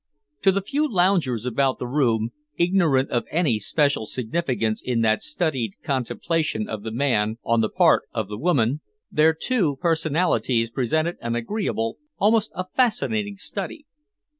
To the few loungers about the room, ignorant of any special significance in that studied contemplation of the man on the part of the woman, their two personalities presented an agreeable, almost a fascinating study.